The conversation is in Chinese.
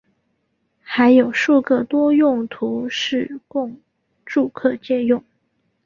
还有数个多用途室供住客借用。